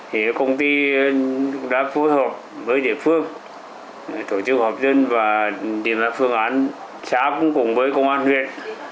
thì công ty đã phối hợp với địa phương tổ chức họp dân và tìm ra phương án xã cũng cùng với công an huyện